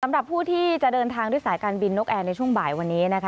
สำหรับผู้ที่จะเดินทางด้วยสายการบินนกแอร์ในช่วงบ่ายวันนี้นะคะ